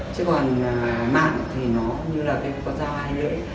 chứ còn mạng thì nó như là cái con dao hai lưỡi